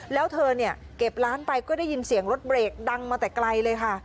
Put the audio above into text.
แล้วเธอเนี่ยเก็บร้านไปก็ได้ยินเสียงรถเบรกดังมาแต่ไกลเลยค่ะ